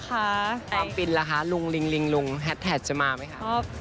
ความฟินล่ะคะลุงลิงลุงแฮดแท็กจะมาไหมคะ